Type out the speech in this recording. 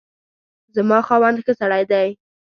زما خاوند ښه سړی دی